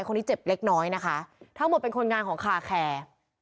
คนนี้เจ็บเล็กน้อยนะคะทั้งหมดเป็นคนงานของคาแคร์